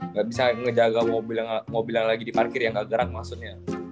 nggak bisa ngejaga mobil yang lagi diparkir yang gak gerak maksudnya